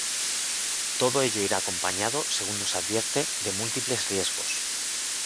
Todo ello irá acompañado, según nos advierte, de múltiples riesgos.